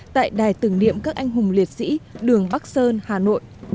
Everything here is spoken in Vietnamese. tại đài tưởng niệm các anh hùng liệt sĩ đường bắc sơn hà nội